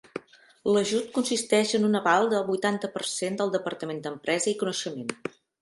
L'ajut consisteix en un aval del vuitanta per cent del Departament d'Empresa i Coneixement.